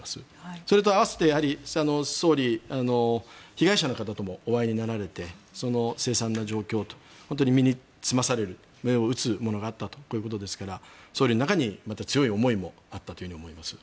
それと併せて総理被害者の方ともお会いになられてそのせい惨な状況というのを非常に身につまされるような目を打つものがあったということですから総理の中に強い思いもあったと思います。